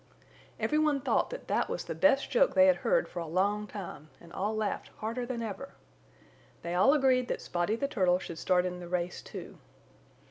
Every one thought that that was the best joke they had heard for a long time, and all laughed harder than ever. They all agreed that Spotty the Turtle should start in the race too.